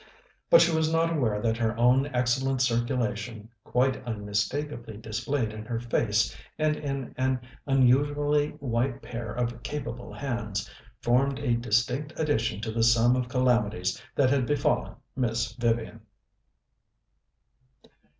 But she was not aware that her own excellent circulation, quite unmistakably displayed in her face and in an unusually white pair of capable hands, formed a distinct addition to the sum of calamities that had befallen Miss Vivian.